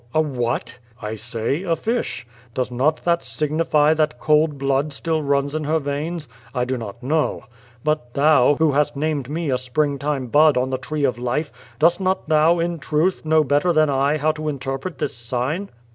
"A what?" "I say — a fish. Does not that signify that cold blood still runs in her veins? I do not Icnow. But thou, who hast named me a spring time bud on the tree of life, doet not thou, in trutli, know better than I how to interpret this sign?"